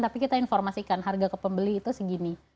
tapi kita informasikan harga ke pembeli itu segini